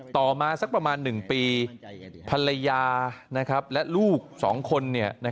ต่อมาสักประมาณ๑ปีภรรยาและลูก๒คน